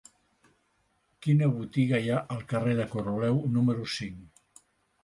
Quina botiga hi ha al carrer de Coroleu número cinc?